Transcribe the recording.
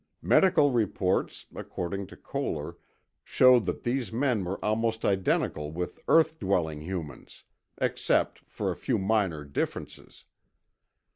Medical reports, according to Koehler, showed that these men were almost identical with earth dwelling humans, except for a few minor differences.